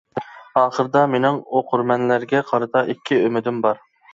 ئاخىرىدا مېنىڭ ئوقۇرمەنلەرگە قارىتا ئىككى ئۈمىدىم بار.